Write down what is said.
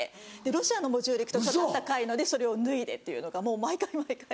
ロシアのモジュール行くと暖かいのでそれを脱いでっていうのがもう毎回毎回。